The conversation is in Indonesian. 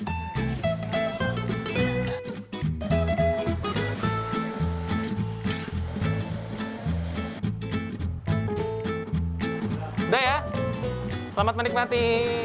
udah ya selamat menikmati